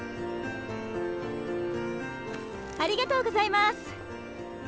ありがとうございます。